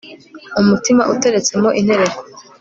umutima uteretsemo intereko